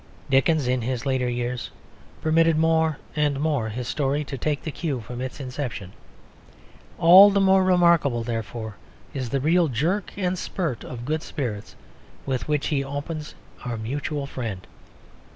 Dickens, in his later years, permitted more and more his story to take the cue from its inception. All the more remarkable, therefore, is the real jerk and spurt of good spirits with which he opens Our Mutual Friend.